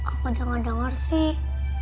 aku udah gak denger sih